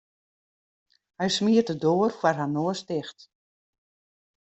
Hy smiet de doar foar har noas ticht.